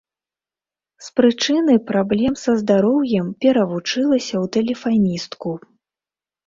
З прычыны праблем са здароўем перавучылася ў тэлефаністку.